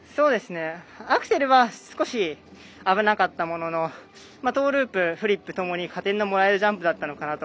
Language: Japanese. アクセルは少し危なかったもののトーループ、フリップともに加点をもらえるジャンプだったかなと。